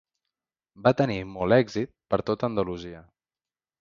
Va tenir molt èxit per tot Andalusia.